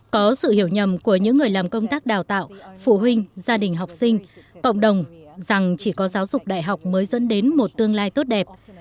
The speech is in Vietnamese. có sự hiểu nhầm của những người làm công tác đào tạo phụ huynh gia đình học sinh cộng đồng rằng chỉ có giáo dục đại học mới dẫn đến một tương lai tốt đẹp